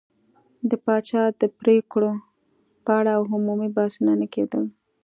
د پاچا د پرېکړو په اړه عمومي بحثونه نه کېدل.